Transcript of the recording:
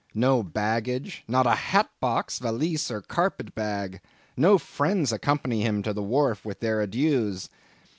no baggage, not a hat box, valise, or carpet bag,—no friends accompany him to the wharf with their adieux.